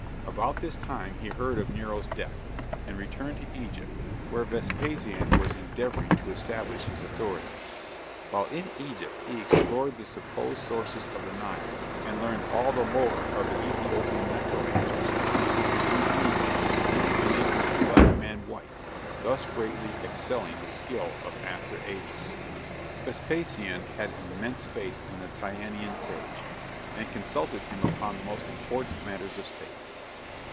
About this time, he heard of Nero's death, and returned to Egypt, where Vespasian was endeavoring to establish his authority. While in Egypt, he explored the supposed sources of the Nile, and learned all the lore of the Ethiopean necromancers, who could do any thing, even to making a black man white; thus greatly excelling the skill of after ages. Vespasian had immense faith in the Tyanean sage, and consulted him upon the most important matters of State.